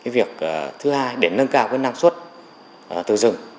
việc thứ hai để nâng cao năng suất từ rừng